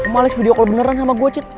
malas video kalau beneran sama gue c